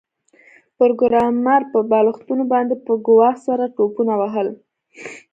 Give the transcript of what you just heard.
پروګرامر په بالښتونو باندې په ګواښ سره ټوپونه وهل